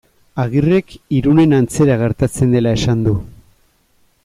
Agirrek Irunen antzera gertatzen dela esan du.